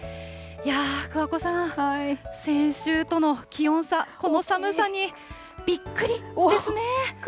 いやー、桑子さん、先週との気温差、この寒さに、びっくりですね。